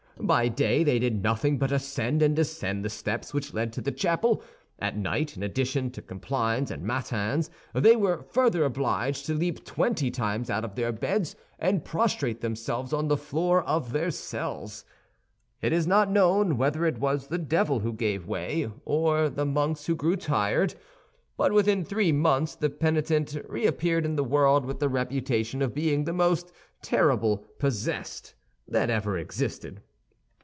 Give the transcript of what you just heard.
By day they did nothing but ascend and descend the steps which led to the chapel; at night, in addition to complines and matins, they were further obliged to leap twenty times out of their beds and prostrate themselves on the floor of their cells. It is not known whether it was the devil who gave way, or the monks who grew tired; but within three months the penitent reappeared in the world with the reputation of being the most terrible possessed that ever existed.